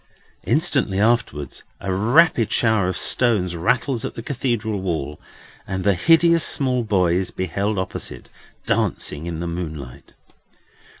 Instantly afterwards, a rapid fire of stones rattles at the Cathedral wall, and the hideous small boy is beheld opposite, dancing in the moonlight.